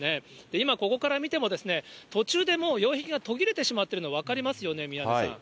今ここから見てもですね、途中でもう擁壁が途切れてしまっているのが分かりますよね、宮根さん。